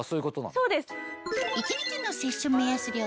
そうです。